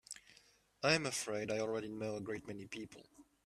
I'm afraid I already know a great many people.